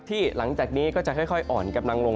หลังจากนี้ก็จะค่อยอ่อนกำลังลง